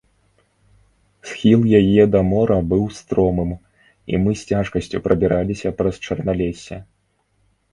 Схіл яе да мора быў стромым, і мы з цяжкасцю прабіраліся праз чарналессе.